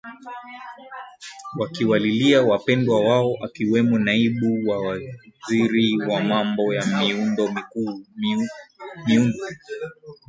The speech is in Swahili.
wakiwalilia wapendwa wao akiwemo naibu wa waziri wa mambo ya miundo miundu